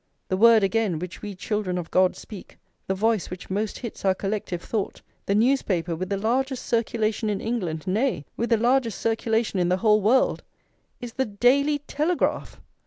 The word, again, which we children of God speak, the voice which most hits our collective thought, the newspaper with the largest circulation in England, nay, with the largest circulation in the whole world, is the Daily Telegraph!